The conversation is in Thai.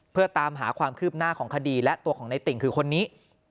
เพื่อตามหาความคืบหน้าของคดีและตัวของในติ่งคือคนนี้